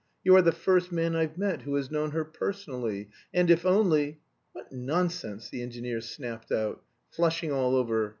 "You are the first man I've met who has known her personally; and if only..." "What nonsense!" the engineer snapped out, flushing all over.